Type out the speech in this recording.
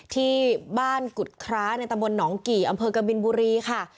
ที่บ้านกุฎคร้าในตำบลหนองกี่อำเภอกบินบุรีค่ะ